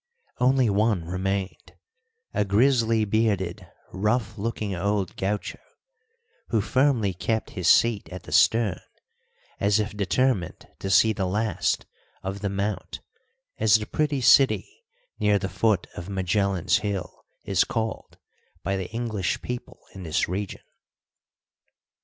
Only one remained, a grizzly bearded, rough looking old gaucho, who firmly kept his seat at the stern, as if determined to see the last of "The Mount," as the pretty city near the foot of Magellan's Hill is called by the English people in this region.